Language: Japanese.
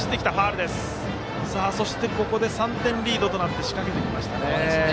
ここで３点リードとなって仕掛けてきましたね。